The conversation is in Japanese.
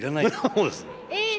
そうですよ。